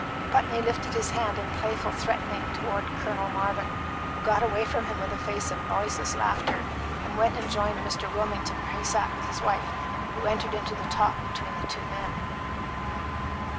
Putney lifted his hand in playful threatening toward Colonel Marvin, who got away from him with a face of noiseless laughter, and went and joined Mr. Wilmington where he sat with his wife, who entered into the talk between the men.